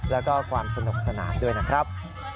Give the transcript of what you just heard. แล้วก็ความสนุกสนานด้วยนะครับ